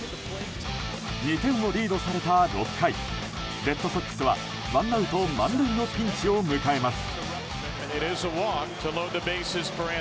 ２点をリードされた６回レッドソックスはワンアウト満塁のピンチを迎えます。